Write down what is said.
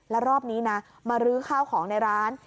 แล้วรอบนี้นะมารื้อข้าวของในร้าน